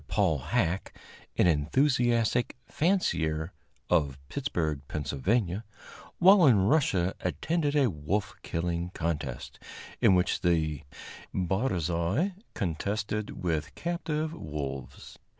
Paul Hacke, an enthusiastic fancier, of Pittsburg, Pa., while in Russia attended a wolf killing contest in which the barzois contested with captive wolves.